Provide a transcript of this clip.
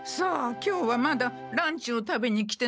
今日はまだランチを食べに来てないのよ。